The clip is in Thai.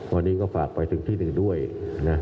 วันนี้ก็ฝากไปถึงที่หนึ่งด้วยนะ